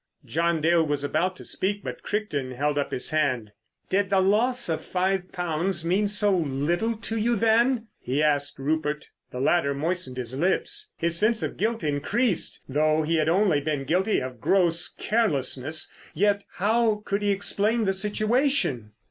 John Dale was about to speak, but Crichton held up his hand. "Did the loss of five pounds mean so little to you, then?" he asked Rupert. The latter moistened his lips. His sense of guilt increased, though he had only been guilty of gross carelessness. Yet, how could he explain the situation?